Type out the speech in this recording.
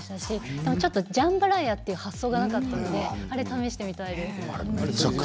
でもちょっとジャンバラヤっていう発想がなかったのであれ試してみたいです。